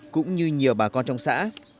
cũng như nhiều bà con trong xã